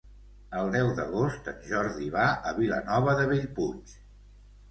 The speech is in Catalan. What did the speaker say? El deu d'agost en Jordi va a Vilanova de Bellpuig.